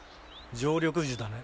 常緑樹だね。